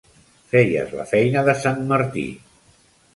Feies la feina de sant Martí.